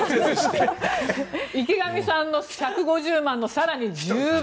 池上さんの１５０万円の更に１０倍。